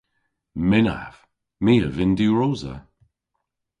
Mynnav. My a vynn diwrosa.